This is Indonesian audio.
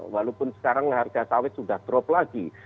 walaupun sekarang harga sawit sudah drop lagi